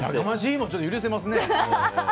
も許せますね。